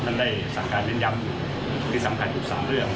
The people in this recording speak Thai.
ท่านได้สั่งการเรียนย้ำที่สำหรับอุตสามเรื่อง